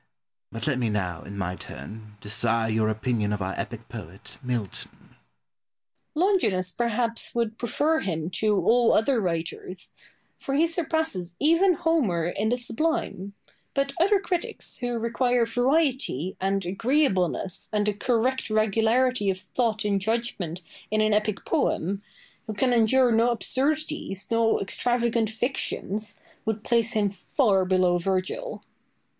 But let me now, in my turn, desire your opinion of our epic poet, Milton. Boileau. Longinus perhaps would prefer him to all other writers, for he surpasses even Homer in the sublime; but other critics who require variety, and agreeableness, and a correct regularity of thought and judgment in an epic poem, who can endure no absurdities, no extravagant fictions, would place him far below Virgil.